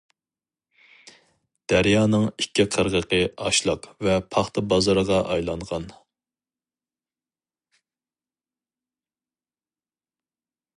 دەريانىڭ ئىككى قىرغىقى ئاشلىق ۋە پاختا بازىرىغا ئايلانغان.